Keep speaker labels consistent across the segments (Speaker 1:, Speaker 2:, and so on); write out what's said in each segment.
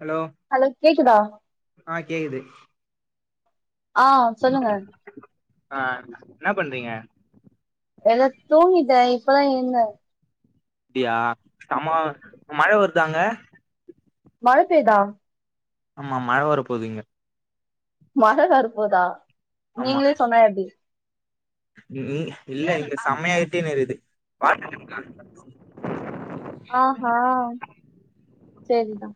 Speaker 1: hello
Speaker 2: hello கேக்குதா
Speaker 1: ஆ‌ கேக்குது
Speaker 2: ஆ சொல்லுங்க
Speaker 1: ஆ என்ன பண்றீங்க
Speaker 2: எதா தூங்கிட்டே இப்ப தா எழுந்தே
Speaker 1: அப்டியா சம மழ வருதா அங்க
Speaker 2: மழ பெய்தா
Speaker 1: ஆமா மழ வர போது இங்க
Speaker 2: மழ வரப்போதா
Speaker 1: ஆமா
Speaker 2: நீங்களே சொன்ன எப்டி
Speaker 1: ம் இல்ல இங்க செம்மையா இருட்டின் இருக்குது [inaudible]
Speaker 2: ஆ ஹா செரிதா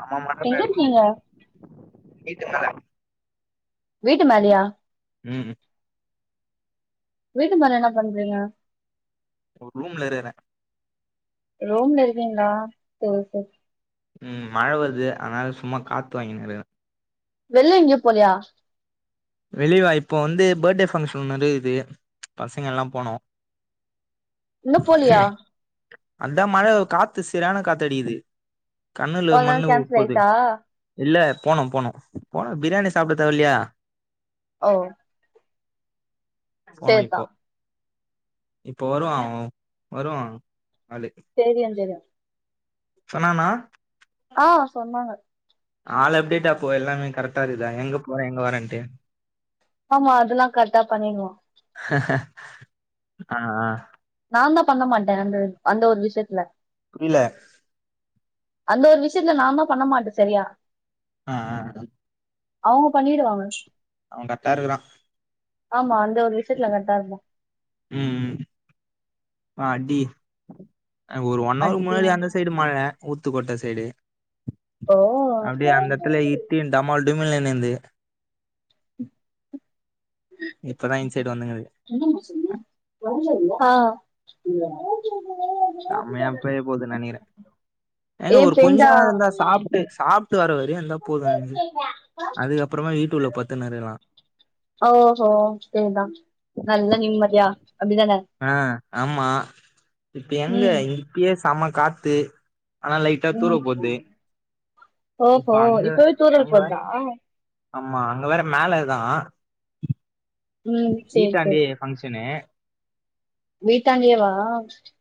Speaker 1: செம மழ
Speaker 2: எங்க
Speaker 1: பெய்து
Speaker 2: இருக்கீங்க
Speaker 1: வீட்டு மேல
Speaker 2: வீட்டு மேலயா
Speaker 1: ம்
Speaker 2: வீட்டு மேல என்ன பண்றீங்க
Speaker 1: ஒர் ரூம்ல இருக்கிறே
Speaker 2: ரூம்ல இருகீங்களா சேர் சேர்
Speaker 1: ம் மழ வருது அதனால சும்மா காத்து வாங்கின்னு இருக்கிறே
Speaker 2: வெள்ய எங்கேயு போலையா
Speaker 1: வெளிவா இப்போ வந்து பர்டே ஃபங்க்ஷன் நெறய இருக்குது பசங்க எல்லா போனோ
Speaker 2: இன்னு போலயா
Speaker 1: அதா மழ காத்து செரியான காத்தடிக்குது கண்ணுல
Speaker 2: அதனால
Speaker 1: மண்ணு உள்
Speaker 2: கேன்சல்
Speaker 1: போது
Speaker 2: ஆயிட்டா
Speaker 1: இல்ல போனு போனு போனு பிரியாணி சாப்பிட தேவ இல்லையா
Speaker 2: ஓ
Speaker 1: போனு
Speaker 2: சேர்தா
Speaker 1: இப்போ இப்ப வருவா அவ வருவா ஆளு
Speaker 2: சேரி அஞ்சனா
Speaker 1: சொன்னானா
Speaker 2: ஆ சொன்னாங்க
Speaker 1: ஆள் அப்டேட்டா போவே எல்லாமே கரெக்டா இருக்குதா எங்க போறே எங்க வாரேன்ட்டு
Speaker 2: ஆமா அதெல்லா கரெக்டா பண்ணிருவா
Speaker 1: ஆ ஆ
Speaker 2: நாந்தா பண்ண மாட்ட அந்த அந்த ஒரு விஷ்யத்ல
Speaker 1: புரில்ல
Speaker 2: அந்த ஒரு விஷயத்துல நா தா பண்ண மாட்டே சரியா
Speaker 1: ஆ ஆ
Speaker 2: அவங்க பண்ணிருவாங்க
Speaker 1: அவ கரெட்டார்க்குறா
Speaker 2: ஆமா அந்த ஒரு விஷயத்துல கரெட்டார்ப்பா
Speaker 1: உம் உம் அடி ஒரு ஒன் அவரு முன்னாடி
Speaker 2: அப்டியா
Speaker 1: அந்த சைடு மழ ஊத்துக்கொட்ட சைடு
Speaker 2: ஓ
Speaker 1: அப்டியே அந்தெடத்துலயெ [inaudible] டமால் டுமில் நிந்தது இப்ப தா இந்த சைடு வந்துங்குது
Speaker 2: ஆ
Speaker 1: செம்மையா பெய்ய போது நெனக்கிறே ஏங்க
Speaker 2: ஏ
Speaker 1: ஒரு கொஞ்ச
Speaker 2: பேஞ்சா
Speaker 1: நேரந்தா சாப்புட்டு சாப் ட்டு வர வரைக்கு இருந்தா போது அதுக்கப்புறமா வீட்டு உள்ள பத்துனுர்க்கறா
Speaker 2: ஓஹோ சரிதா நல்ல நிம்மதியா அப்படிதானெ
Speaker 1: ஆ ஆமா இப்ப எங்க
Speaker 2: ம்
Speaker 1: இப்பயே செம்ம காத்து ஆனா லைட்டா
Speaker 2: ம்
Speaker 1: தூரல் போட்து
Speaker 2: ஓஹோ இப்பவே தூரல்
Speaker 1: அங்க
Speaker 2: போட்தா
Speaker 1: ஆமா அங்க வேற மேலேதா
Speaker 2: ம் சேரி
Speaker 1: வீட்டாண்டயெ பங்க்ஷனு
Speaker 2: வீட்டாண்டெயேவா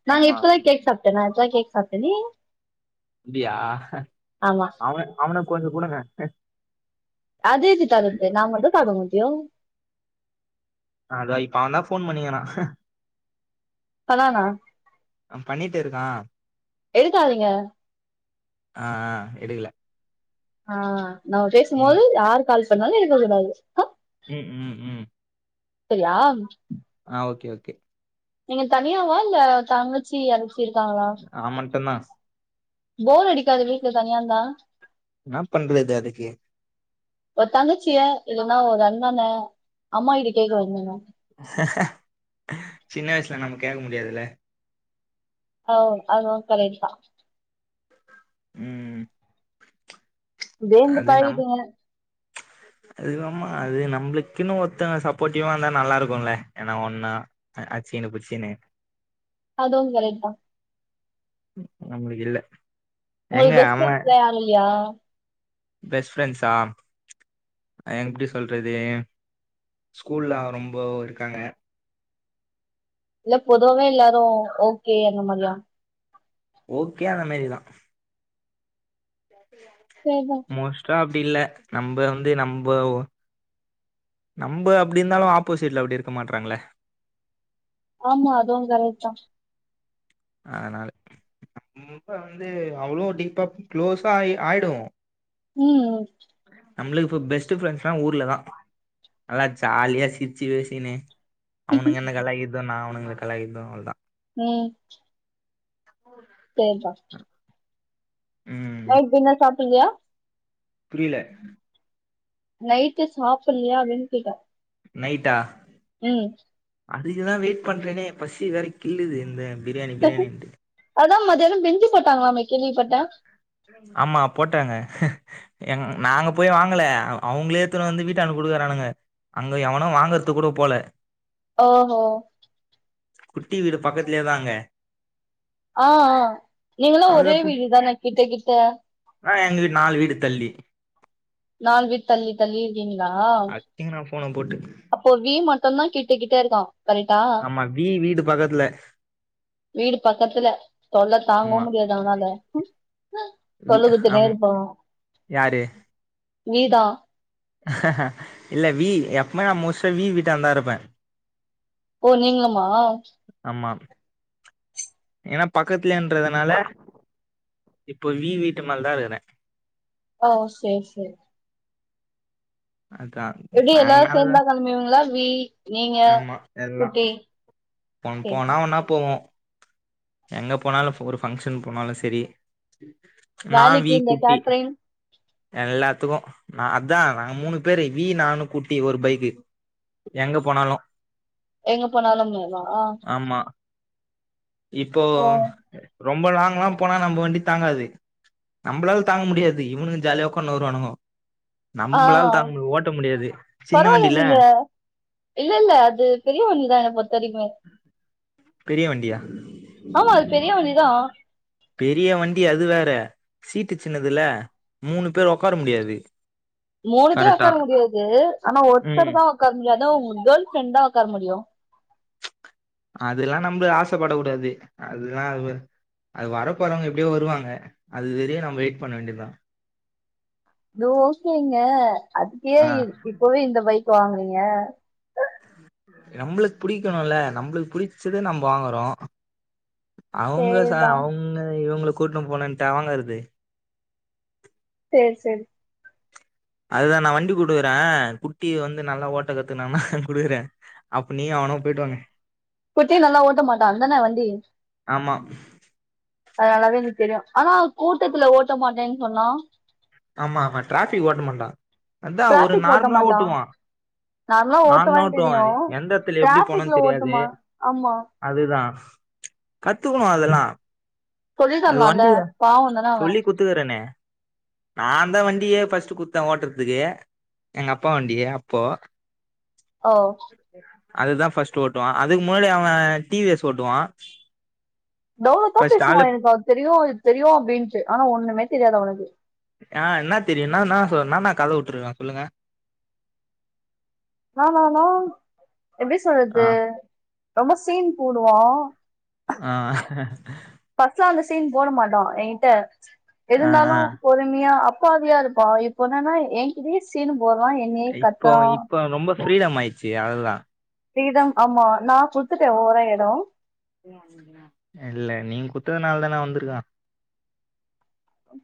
Speaker 2: நாங்க
Speaker 1: ஆமா
Speaker 2: இப்பதா கேக் சாப்ட்டே நா இப்ப தா கேக் சாப்ட்டனே
Speaker 1: அப்டியா அவ அவனுக்கு கொஞ்ச குடுங்க
Speaker 2: அது எப்டி தர்றது நா மட்டு சாப்ட முட்யூ
Speaker 1: நாதா இப்ப அவ தா போன் பண்ணிக்கிறா
Speaker 2: அதான
Speaker 1: பண்ணிட்டிர்க்கா
Speaker 2: எடுக்காதீங்க
Speaker 1: ஆ ஆ எடுக்கல
Speaker 2: ஆ நம்ம
Speaker 1: ம்
Speaker 2: பேசும்போது யார் கால் பண்ணாலு எடுக்க கூடாது அ
Speaker 1: உம் உம் உம்
Speaker 2: சரியா
Speaker 1: ஆ ஓகே ஓகே
Speaker 2: நீங்க தனியாவா இல்ல தங்கச்சி யாராச்சி இருக்காங்களா
Speaker 1: அவன் மட்டும்தான்
Speaker 2: போர் அடிக்காது வீட்டுல தனியார்ந்தா
Speaker 1: என்னா பண்றது அதுக்கு
Speaker 2: ஒரு தங்கச்சிய இல்லன்னா ஒ அண்ணன அம்மா கிட்ட கேக்க வேண்டியத்தா
Speaker 1: சின்ன வயசுல நம்ம கேட்க முடியாதுல்ல
Speaker 2: ஓ அதுவு கரெட் தா
Speaker 1: ம்ம்
Speaker 2: இப்டியே இர்ந்து பழகிடீங்க
Speaker 1: அதுவம்மா அது நம்மளுக் ன்னு ஒத்தங்க சப்போட்டிவா இருந்தா நல்லாருக்குல்ல ஏன்னா ஒண்ணா அச்சின்னு புச்சினு
Speaker 2: அதும் கரெட் தா
Speaker 1: நம்ளுக்கு இல்ல எங்க
Speaker 2: உங்களுக்கு பெஸ்ட்
Speaker 1: அவன்
Speaker 2: ஃப்ரெண்ட்ஸ்லா யாரு இல்லயா
Speaker 1: பெஸ்ட் ஃப்ரெண்ட்ஸா எங் எப்டி சொல்றது ஸ்கூல்ல ரொம்ப இருக்காங்க
Speaker 2: இல்ல பொதுவவே எல்லாரு ஓகே அந்த மாரியா
Speaker 1: ஓகே அந்த மாரிதா
Speaker 2: சேரிதா
Speaker 1: மோஸ்ட்டா அப்டி இல்ல நம்ப வந்து நம்ப நம்ப அப்டி இருந்தாலு ஆப்போசிட்ல அப்டி இருக்க மாட்றாங்களே
Speaker 2: ஆமா அதுவு கரெக்ட்தா
Speaker 1: அதனால ரொம்ப வந்து அவ்ளோ டீப்பா குளோஸா ஆயி ஆயிடுவோ
Speaker 2: ம்
Speaker 1: நம்மளுக்கு இப்ப பெஸ்ட் ஃப்ரெண்ட்ஸ்லா ஊர்லதா நல்லா ஜாலியா சிரிச்சி பேசிகினு அவுனுங்க என்ன கலாய்க்கிறது நா அவுனங்க கலாய்க்கிறது அவ்ளோதா
Speaker 2: ம்
Speaker 1: ஓ
Speaker 2: சேரிப்பா
Speaker 1: ம்
Speaker 2: நைட் டின்னர் சாப்புட்லையா
Speaker 1: புரியல
Speaker 2: நைட்டு சாப்புட்லையா அப்டினு கேட்ட
Speaker 1: நைட்டா
Speaker 2: ம்
Speaker 1: அதுக்குதா வெயிட் பண்றேனே பசி வேற கில்லுது இந்த பிரியாணி பிரியாணிட்டு
Speaker 2: அதா மதியானம் பிரிஞ்சி போட்டாங்களாமே கேள்விப்பட்ட
Speaker 1: ஆமா போட்டாங்க எங் நாங்க போய் வாங்கல அவங்களே எடுத்துனு வந்து வீட்டாண்ட குடுக்குறானுங்க அங்க எவனு வாங்கறதுக்கு கூட போல
Speaker 2: ஓஹோ
Speaker 1: குட்டி வீடு பக்கத்துலயேதா அங்க
Speaker 2: ஆஆ நீங்களு
Speaker 1: அதுல
Speaker 2: ஒரே
Speaker 1: குட்
Speaker 2: வீடு தான கிட்ட கிட்ட
Speaker 1: ஆ எங்க வீட்டு நாலு வீடு தள்ளி
Speaker 2: நாலு வீடு தள்ளி தள்ளி இருக்கீங்களா
Speaker 1: அடிச்சிங்க நா போன போட்டு
Speaker 2: அப்போ வி மட்டும்தா கிட்டக்கிட்ட இருக்கா கரெக்டா
Speaker 1: ஆமா வீ வீடு பக்கத்துல
Speaker 2: வீடு பக்கத்துல தொல்ல தாங்கவு
Speaker 1: ஆமா
Speaker 2: முடியாது அவனால
Speaker 1: வி
Speaker 2: தொல்ல குடுத்துனே
Speaker 1: ஆம்
Speaker 2: இருப்பா
Speaker 1: யாரு
Speaker 2: வீ தா
Speaker 1: இல்ல வி எப்பமே நா மோஸ்ட்டா வி வீட்டாண்டதா இருப்ப
Speaker 2: ஓ நீங்களுமா
Speaker 1: ஆமா ஏன்னா பக்கத்துலன்றதுனால இப்போ வி வீட்டு மேல தா இருக்கற
Speaker 2: ஓ சேரி சேரி
Speaker 1: அதா
Speaker 2: எப்டி
Speaker 1: நாங்க
Speaker 2: எல்லாரு
Speaker 1: மேலதா
Speaker 2: சேந்துதா கெழம்புவீங்ளா வி நீங்க குட்டி
Speaker 1: ஒன்
Speaker 2: சேரி
Speaker 1: போனா ஒன்னா போவோ எங்க போனாலு ஒரு பஃங்க்ஷன் போனாலு செரி நா
Speaker 2: வேலைக்கு
Speaker 1: வி
Speaker 2: இந்த
Speaker 1: குட்டி
Speaker 2: கேட்ரிங்
Speaker 1: எல்லாத்துக்கும் நா அதா நாங்க மூனு பேரு வி நானு குட்டி ஒரு பைக்கு எங்க போனாலு
Speaker 2: எங்க போனாலும்மேவா
Speaker 1: ஆம்மா இப்போ
Speaker 2: ஓ
Speaker 1: ரொம்ப லாங்லா போனா நம்ம வண்டி தாங்காது நம்ளால தாங்க முடியாது இவனுங்க ஜாலியா உக்கான்னு வருவானுங்கோ நம்ளால் தாங் ஓட்ட முடியா
Speaker 2: பரவாயில்ல நீங்க இல்ல இல்ல அது பெரிய வண்டிதானே பத்தடிக்கு மேல
Speaker 1: பெரிய வண்டியா
Speaker 2: ஆமா அது பெரியவண்டிதா
Speaker 1: பெரிய வண்டி அது வேற சீட்டு சின்னதுல மூனு பேரு ஒக்கார முடியாது
Speaker 2: மூனு பேரு
Speaker 1: கரெக்டா
Speaker 2: உக்கார முடியாது ஆனா ஒருத்தர்
Speaker 1: ம்
Speaker 2: தா உக்கார முடியு அதா உங்க கேள் ஃப்ரெண்ட் தா உக்கார முடியு
Speaker 1: அதெல்லா நம்ள ஆசப்படக் கூடாது அதல்லா அது வரப்போறவங்க எப்டியோ வருவாங்க அது வரியு நம்ம வெயிட் பண்ண வேண்டியதுதா
Speaker 2: அது ஓகேங்க அதுக்கு ஏ
Speaker 1: ஆ
Speaker 2: இப்பவே இந்த பைக் வாங்குறீங்க
Speaker 1: நம்மளுக்கு புடிக்கணுல்ல நம்மளுக்கு புடிச்சத நம்ம வாங்குறோ அவங்க சா
Speaker 2: சரிதா
Speaker 1: அவங்க இவங்கள கூட்டின்னு போனுன்ட்டா வாங்கறது
Speaker 2: சேரி சேரி
Speaker 1: அதுதா நா வண்டி குடுக்குறே குட்டி வந்து நல்லா ஓட்ட கத்துனான குடுக்குறே அப்ப நீயு அவனு போயிட்டு வாங்க
Speaker 2: குட்டி நல்லா ஓட்ட மாட்டான்தானே வண்டி
Speaker 1: ஆமா
Speaker 2: அது நல்லாவே எனக் தெரியு ஆனா கூட்டத்துல ஓட்ட மாட்டேன்னு சொன்னா
Speaker 1: ஆமா ஆமா டிராஃபிக் ஓட்ட மாட்டா அத்தா ஒரு
Speaker 2: டிராபிக் ஓட்ட
Speaker 1: நார்மலா
Speaker 2: மாட்டான்
Speaker 1: ஓட்டுவா நார்மலா
Speaker 2: ஓட்டுவான்னு
Speaker 1: ஓட்டுவா
Speaker 2: தெரியு
Speaker 1: எந்தத்துல எப்டி போனுன்
Speaker 2: டிராபிக்ல
Speaker 1: தெரியாது
Speaker 2: ஓட்டுமா ஆமா
Speaker 1: அதுதா கத்துக்கணு அதெல்லாம்
Speaker 2: சொல்லித் தரலால்ல பாவம் தானே அவெ
Speaker 1: கத்துத்தரனே நான் தா வண்டியே ஃபஸ்ட் குடுத்தே ஓட்றதுக்கு எங்க அப்பா வண்டிய அப்போ
Speaker 2: ஓ
Speaker 1: அதுதா ஃபஸ்ட் ஓட்டுவா அதுக்கு முன்னாடி அவெ டி வி எஸ் ஓட்டுவா
Speaker 2: தவுலதா
Speaker 1: ஃபர்ஸ்ட்
Speaker 2: பேசுவா
Speaker 1: ஆளு
Speaker 2: எனக்கு அது தெரியு இது தெரியு அப்டின்னுட்டு ஆனா ஒன்னுமே தெரியாது அவனுக்கு
Speaker 1: ஆ என்ன தெரியு என்னா என்னா சொ நானா கத விட்டுருக்கே சொல்லுங்க
Speaker 2: ந நானா எப்டி
Speaker 1: ஆ
Speaker 2: சொல்றது ரொம்ப சீன் போடுவா
Speaker 1: ஆ
Speaker 2: பஸ்ட் அந்த சீன் போட மாட்டா என்கிட்ட எத
Speaker 1: ஆ ஆ
Speaker 2: இருந்தாலும் பொரு ம்மியா அப்பாவியா இருப்பா இப்ப என்னன்னா என்கிட்டயே சீனு போடுறா என்னயே
Speaker 1: இப்போ
Speaker 2: கத்துறா
Speaker 1: இப்போ ரொம்ப ஃப்ரீடம் ஆயிச்சு அதுதா
Speaker 2: ஃப்ரீடம் ஆமா நா குடுத்துட்டே ஓவரா எடொ
Speaker 1: இல்ல நீங் குத்ததுனால் தானே வந்திருக்கா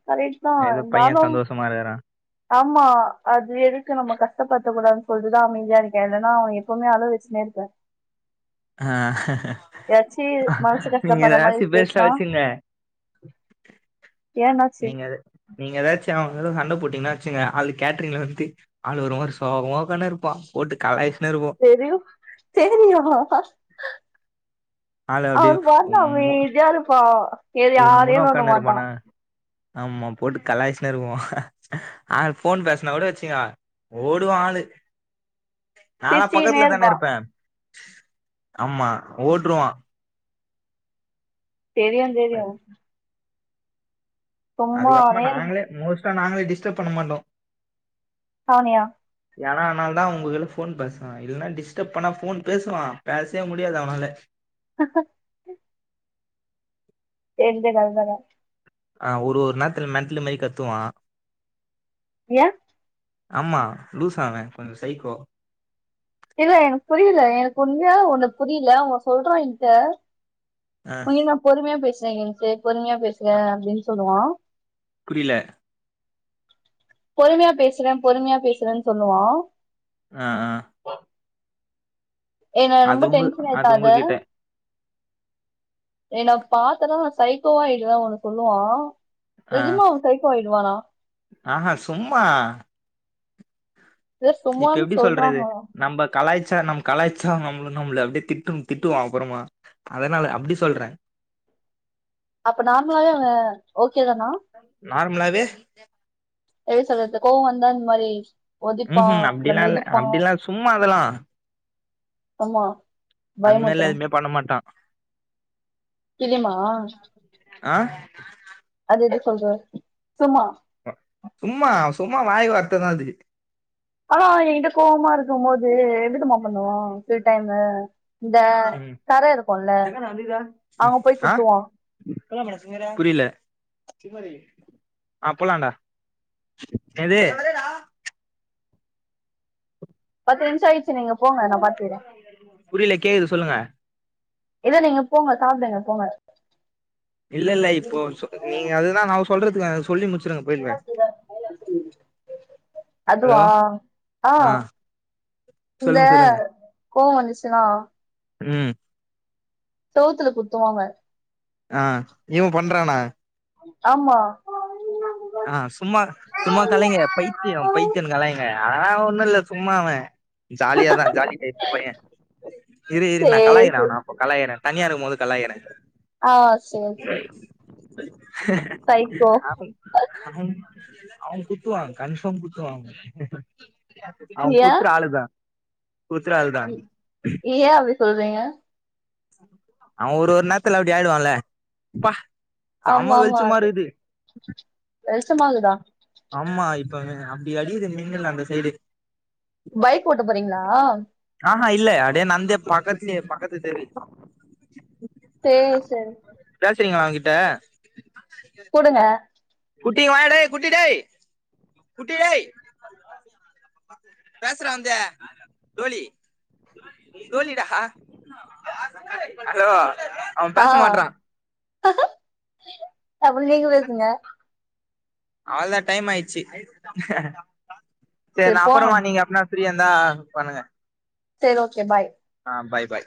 Speaker 2: கரக்ட்டு தா
Speaker 1: ஏதோ பைய
Speaker 2: இருந்தாலும்
Speaker 1: சந்தோஷமா இருக்கறா
Speaker 2: ஆமா அது எதுக்கு நம்ம கஷ்டப்படுத்த கூடாதுன் சொல்ட்டுதா அமைதியா இருக்க இல்லன்னா அவ எப்பவுமே அழ வெச்சுன்னே இருப்பே
Speaker 1: அ
Speaker 2: ஏதாச்சும் மனசு
Speaker 1: நீங்க
Speaker 2: கஷ்டப்படுற மாதிரி
Speaker 1: ஏதாசி பேஷா
Speaker 2: பேசினா
Speaker 1: வெச்சுங்க
Speaker 2: ஏன்னாச்சு
Speaker 1: நீங்க அது நீங்க எதாச்சு அவங்களு சண்டப் போட்டிங்ன்னா வச்சுங்க அவளுக்கு கேட்டரிங்ல அத பத்தி ஆளு ஒரு மாரி சோகமா உக்கான்னு இருப்பா போட்டு கலாய்ச்சுன்னே இருப்போ
Speaker 2: தெரியு தெரியூ
Speaker 1: ஆளு
Speaker 2: அவ
Speaker 1: அப்டியே
Speaker 2: பாட்டுன்னு
Speaker 1: உம்மு
Speaker 2: அமைதியா இருப்பா எது யாரையூ
Speaker 1: உம்முன்னு
Speaker 2: நோண்ட
Speaker 1: உக்கான்னு
Speaker 2: மாட்டா
Speaker 1: இருப்பானா ஆமா போட்டு கலாய்ச்சின்னு இருப்போ ஆளு ஃபோன் பேசுனா கூட வச்சுங்க ஓடுவா ஆளு நாலா
Speaker 2: சிரிச்சுக்கினே
Speaker 1: பக்கத்துல தான
Speaker 2: இருப்பான்
Speaker 1: இருப்ப ஆமா ஓட்ருவா
Speaker 2: தெரியூ தெரியூ
Speaker 1: அதுக்கப்பமா
Speaker 2: சும்மாவே இருக்கும்
Speaker 1: நாங்களே மோஸ்ட்டா நாங்களே டிஸ்டப் பண்ண மாட்டோ
Speaker 2: அவனயா
Speaker 1: ஏன்னா ஆனால தா உங்ககிட்ட ஃபோன் பேசுவ இல்னா டிஸ்டர்ப் பண்ணா ஃபோன் பேசுவா பேசவே முடியாது அவனால
Speaker 2: தெரிஞ்சனால தான
Speaker 1: ஆ ஒரு ஒரு நேரத்துல மெண்ட்டல்லு மேரி கத்துவா
Speaker 2: ஏ
Speaker 1: ஆமா லூஸ் அவ கொஞ்சோ சைக்கோ
Speaker 2: இல்ல எனக்கு புரில எனக்கு உண்மையாவே ஒன்னு புரில அவ சொல்றா ஏகிட்ட
Speaker 1: ஆ
Speaker 2: உன்னைய நா பொறுமையா பேசுற என்சு பொறுமையா பேசுற அப்டின் சொல்லுவா
Speaker 1: புரில
Speaker 2: பொறுமையா பேசுற பொறுமையா பேசறன் சொல்லுவா
Speaker 1: அ அ
Speaker 2: என்ன
Speaker 1: அது
Speaker 2: ரொம்ப
Speaker 1: உங்க
Speaker 2: டென்ஷன்
Speaker 1: அது
Speaker 2: ஏத்தாத
Speaker 1: உங்ககிட்ட
Speaker 2: என்ன பாத்தன்னா நா சைக்கோ ஆயிடுவ ஒண்ணு சொல்லுவா
Speaker 1: ஆ
Speaker 2: நெஜமா அவ சைக்கோ ஆயிடுவானா
Speaker 1: ஆஹா சும்மா
Speaker 2: இதை
Speaker 1: இப்ப
Speaker 2: சும்மான்னு
Speaker 1: எப்டி சொல்றது
Speaker 2: சொல்றாங்க
Speaker 1: நம்ப கலாய்ச்சா நம் கலாய்ச்சா நம்ள நம்ள அப்டே திட்டு திட்டுவா அப்பறமா அதனால அப்டி சொல்ற
Speaker 2: அப்ப நார்மலாவே அவ ஓகே தானா
Speaker 1: நார்மலாவே
Speaker 2: எப்டி சொல்றது கோவோ வந்தா இந்த மாரி
Speaker 1: ம் ம் அப்டிலா இல்ல அப்டிலா சும்மா அதல்லா
Speaker 2: ஆமா
Speaker 1: அந் மாரிலா எதுவுமே பண்ண மாட்டா
Speaker 2: தெரிமா
Speaker 1: அ
Speaker 2: அது எப்டி சொல்ற சும்மா
Speaker 1: [unintelligible] சும்மா சும்மா வாய் வார்த்த தா அது
Speaker 2: அனா அவ எங்கிட்ட கோபமா இருக்கும் போ து என்ன தெரிமா பண்ணுவோ சில டைமு இந்த தர இருக்குல்ல அங்க போய் குத்துவா
Speaker 1: புரியில ஆ போலான்டாக இன்னது
Speaker 2: பத்து நிம்ஷோ ஆயிச்சு நீங்க போங்க நா பாத்துக்கற
Speaker 1: புரில கேக்குது சொல்லுங்க
Speaker 2: இல்ல நீங்க போங்க சாப்டுங்க போங்க
Speaker 1: இல்ல இல்ல இப்போ சொ நீங்க அதுதா இன்னாவோ சொல்றதுக்கு வந் சொல்லி முடிச்சிருங்க போய்ருவ
Speaker 2: அதுவா அ
Speaker 1: ஆ
Speaker 2: இந்த
Speaker 1: சொல்லுங்க சொல்லுங்க
Speaker 2: கோவ வந்துச்சுன்னா
Speaker 1: ம்
Speaker 2: செவுத்துல குத்துவாங்க
Speaker 1: ஆ இவ பண்றானா
Speaker 2: ஆமா
Speaker 1: ஆ சும்மா சும்மா கலைங்க பைத்தியோ பைத்தியோன் கலைங்க ஆ ஒண்ணு இல்ல சும்மா அவ ஜாலியாதா ஜாலி டைப் பைய இரு இரு நா
Speaker 2: சேரி
Speaker 1: கலாய்க்கிற
Speaker 2: சேரி
Speaker 1: அவன கலாய்க்கிற தனியா இருக்கும் போது கலாய்க்கிற
Speaker 2: ஆ சேரி சேரி சைக்கோ
Speaker 1: ஆஹும் அ அவுங்க குத்துவாங்க கன்ஃபார்ம் குத்துவாங்க அவ
Speaker 2: ஏன்
Speaker 1: குத்தற ஆளுதா குத்துற ஆள்தா
Speaker 2: ஏ அப்டி சொல்றீங்க
Speaker 1: அவ ஒரு ஒரு நேரத்துல அப்டி ஆய்டுவான்ல அப்பா சம வெளிச்சமா இருக்குது
Speaker 2: வெளிச்சமா இருக்குதா
Speaker 1: ஆமா இப்ப அப்டி அடிக்குது மின்னல் அந்த சைடு
Speaker 2: பைக் ஓட்ட போறீங்களா
Speaker 1: ஆஹா இல்ல அப்டே நடந்தே பக்கத்துலயே பக்கத்து தெரு
Speaker 2: செரி செரி
Speaker 1: பேசுறீங்களா அவங்கிட்ட
Speaker 2: குடுங்க
Speaker 1: குட்டி வாயாடா டேய் குட்டி டேய் குட்டி டேய் பேசறா வந்து டோலி டோலிடா ஹலோ அவன்
Speaker 2: ஆ
Speaker 1: பேச மாட்றான்
Speaker 2: அப்ப நீங்க பேசுங்க
Speaker 1: அவ்ளதா டைம் ஆயிச்சு செரி
Speaker 2: சரி
Speaker 1: ந அப்பறமா
Speaker 2: போலாம்
Speaker 1: நீங்க அப்னா ஃப்ரீயா இருந்தா பண்ணுங்க
Speaker 2: செரி ஓகே பாய்
Speaker 1: ஆ பாய் பாய்